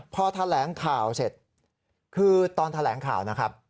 พอแถลงข่าวเสร็จคือตอนแถลงข่าว